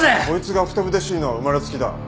こいつがふてぶてしいのは生まれつきだ。